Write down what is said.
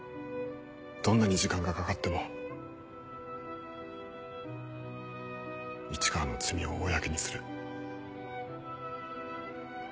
どんなに時間がかかっても市川の罪を公にする。